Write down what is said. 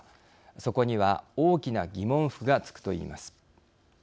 そこには大きな疑問符がつくといいます。